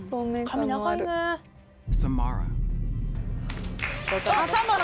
髪長いね。